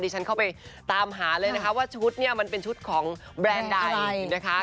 ฉันเข้าไปตามหาเลยนะคะว่าชุดเนี่ยมันเป็นชุดของแบรนด์ใดนะคะ